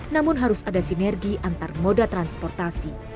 namun harus ada sinergi antar moda transportasi